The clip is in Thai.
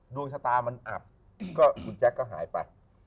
ดวงชะตามันอับก็คุณแจ๊คก็หายไป